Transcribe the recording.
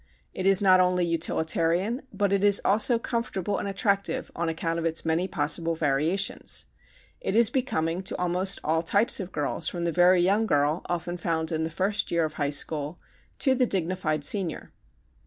It is not only utilitarian but it is also comfortable and attractive on account of its many possible variations. It is becoming to almost all types of girls from the very young girl, often found in the first year of high school, to the dignified senior.